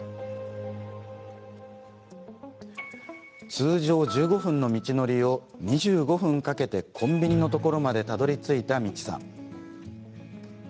通常１５分の道のりを２５分かけてコンビニのところまでたどりついた、みちさん。